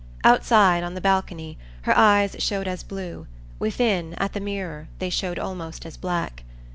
Outside, on the balcony, her eyes showed as blue; within, at the mirror, they showed almost as black.